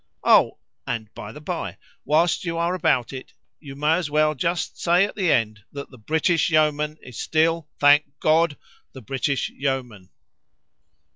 Oh! and, by the bye, whilst you are about it, you may as well just say at the end that the British yeoman is still, thank God! the British yeoman.